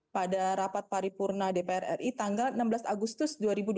pada rapat paripurna dpr ri tanggal enam belas agustus dua ribu dua puluh